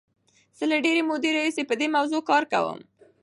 زه له ډېرې مودې راهیسې په دې موضوع کار کوم.